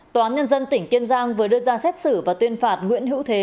tòa án nhân dân tỉnh kiên giang vừa đưa ra xét xử và tuyên phạt nguyễn hữu thế